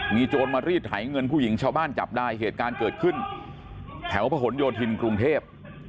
มีโจรมารีดไถเงินผู้หญิงชาวบ้านจับได้เหตุการณ์เกิดขึ้นแถวพระหลโยธินกรุงเทพ